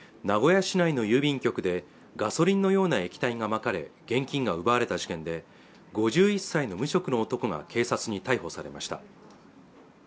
名古屋市内の郵便局でガソリンのような液体がまかれ現金が奪われた事件で５１歳の無職の男が警察に逮捕されました